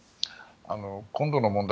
今度の問題